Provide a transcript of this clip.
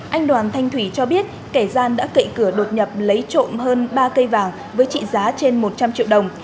anh đoàn thanh thủy cho biết kẻ gian đã cậy cửa đột nhập lấy trộm hơn ba cây vàng với trị giá trên một trăm linh triệu đồng